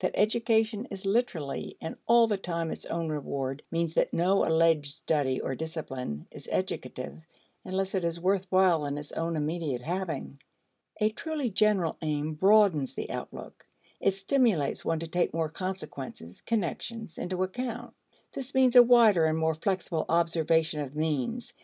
That education is literally and all the time its own reward means that no alleged study or discipline is educative unless it is worth while in its own immediate having. A truly general aim broadens the outlook; it stimulates one to take more consequences (connections) into account. This means a wider and more flexible observation of means.